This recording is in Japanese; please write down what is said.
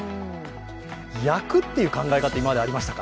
焼くっていう考え方、今までありましたか？